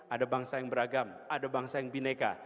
ada bangsa yang beragam ada bangsa yang bineka